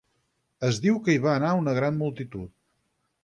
Es diu que hi va anar una gran multitud.